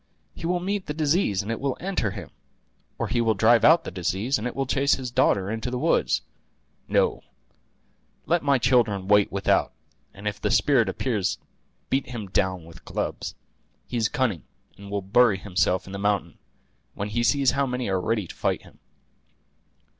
He will meet the disease, and it will enter him; or he will drive out the disease, and it will chase his daughter into the woods. No; let my children wait without, and if the spirit appears beat him down with clubs. He is cunning, and will bury himself in the mountain, when he sees how many are ready to fight him."